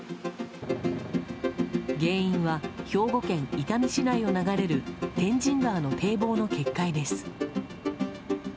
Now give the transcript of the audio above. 原因は兵庫県伊丹市内を流れる天神川の堤防の決壊です。